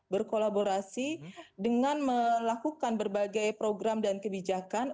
berkolaborasi dengan melakukan berbagai program dan kebijakan